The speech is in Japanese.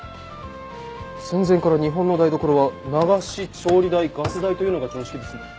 戦前から日本の台所は流し調理台ガス台というのが常識ですもんね。